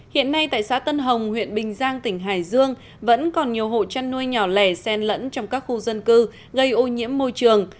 hiện nay tại xã tân hồng huyện bình giang tỉnh hải dương vẫn còn nhiều hộ chăn nuôi nhỏ lẻ sen lẫn trong các khu dân cư gây ô nhiễm môi trường